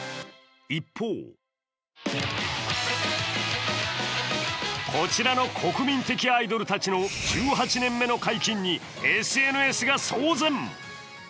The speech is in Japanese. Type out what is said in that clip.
一方こちらの国民的アイドルたちの１８年目の解禁にＳＮＳが騒然！